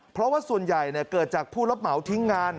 เพราะว่าส่วนใหญ่เกิดจากผู้รับเหมาทิ้งงาน